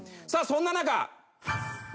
さあそんな中。